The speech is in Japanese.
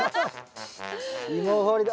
芋掘りだ。